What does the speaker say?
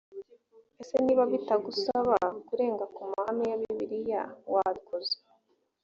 ese niba bitagusaba kurenga ku mahame ya bibiliya wabikoze